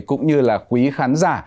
cũng như là quý khán giả